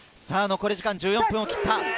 残り時間１４分を切った。